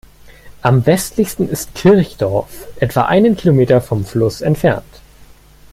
Am westlichsten ist Kirchdorf, etwa einen Kilometer vom Fluss entfernt.